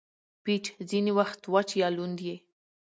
پيچ ځیني وخت وچ یا لوند يي.